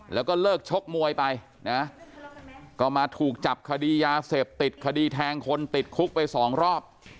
แล้วก็เลิกชกมวยไปนะก็มาถูกจับคดียาเสพติดคดีแทงคนติดคุกไปสองรอบ